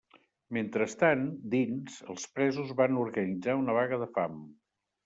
Mentrestant, dins, els presos van organitzar una vaga de fam.